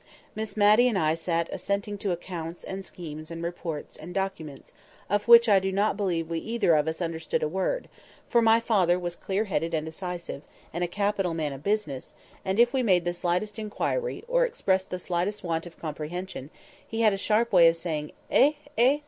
Miss Matty and I sat assenting to accounts, and schemes, and reports, and documents, of which I do not believe we either of us understood a word; for my father was clear headed and decisive, and a capital man of business, and if we made the slightest inquiry, or expressed the slightest want of comprehension, he had a sharp way of saying, "Eh? eh?